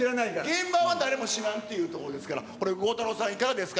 現場は誰も知らんということですから、これ、鋼太郎さん、いかがですか？